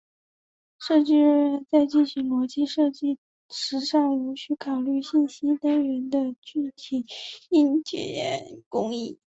设计人员在进行逻辑设计时尚无需考虑信息单元的具体硬件工艺。